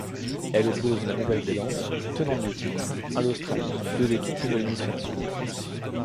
Elle oppose la Nouvelle-Zélande, tenante du titre, à l'Australie, deux équipes de l'hémisphère Sud.